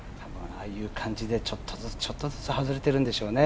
ああいう感じでちょっとずつちょっとずつ外れてるんでしょうね。